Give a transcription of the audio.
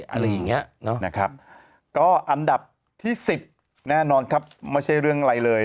อะไรอย่างเงี้ยนะครับก็อันดับที่สิบแน่นอนครับไม่ใช่เรื่องอะไรเลย